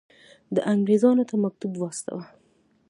ده انګرېزانو ته مکتوب واستاوه.